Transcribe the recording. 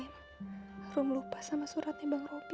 harum lupa sama suratnya bang rofi